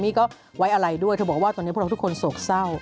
นี่ก็ไว้อะไรด้วยเธอบอกว่าตอนนี้พวกเราทุกคนโศกเศร้า